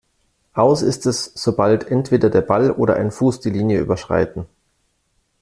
Aus ist es, sobald entweder der Ball oder ein Fuß die Linie überschreiten.